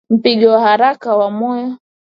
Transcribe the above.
Mpigo wa haraka wa moyo